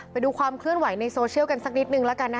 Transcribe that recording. ไปดูความเคลื่อนไหวในโซเชียลกันสักนิดนึงแล้วกันนะคะ